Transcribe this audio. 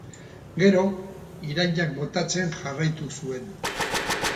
Gero, irainak botatzen jarraitu zuen.